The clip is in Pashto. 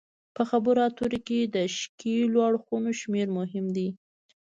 په خبرو اترو کې د ښکیلو اړخونو شمیر مهم دی